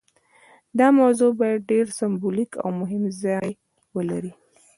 دا موضوع باید ډیر سمبولیک او مهم ځای ولري.